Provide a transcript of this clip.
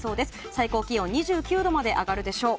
最高気温２９度まで上がるでしょう。